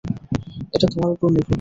এটা তোমার উপর নির্ভর করছে।